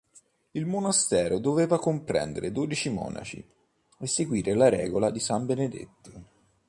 Il monastero doveva comprendere dodici monaci e seguire la regola di san Benedetto.